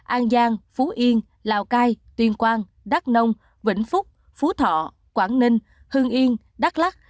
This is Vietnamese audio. an giang phú yên lào cai tuyên quang đắk nông vĩnh phúc phú thọ quảng ninh hưng yên đắk lắc